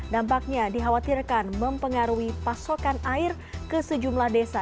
nampaknya dikhawatirkan mempengaruhi pasokan air ke sejumlah desa